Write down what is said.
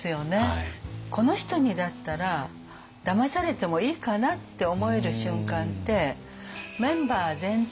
この人にだったらだまされてもいいかなって思える瞬間ってメンバー全体